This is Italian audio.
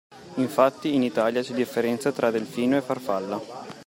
Infatti in Italia c’è differenza tra delfino e farfalla.